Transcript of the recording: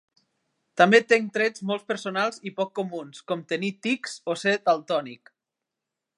També tenc trets molt personals i poc comuns, com tenir tics o ser daltònic.